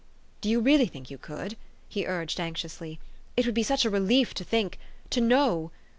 " Do you really think you could ?" he urged anx iously. " It would be such a relief to think to know!